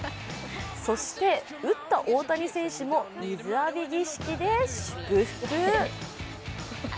そして、打った大谷選手も水浴び儀式で祝福。